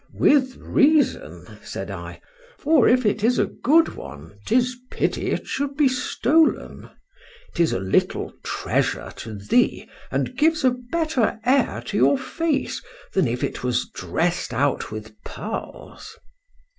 —With reason, said I, for if it is a good one, 'tis pity it should be stolen; 'tis a little treasure to thee, and gives a better air to your face, than if it was dress'd out with pearls.